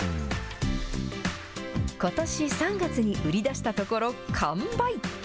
ことし３月に売り出したところ、完売。